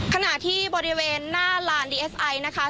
ขณะที่บริเวณหน้าลานดีเอสไอนะคะ